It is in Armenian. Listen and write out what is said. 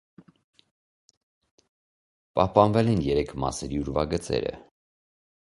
Պահպանվել են երեք մասերի ուրվագծերը։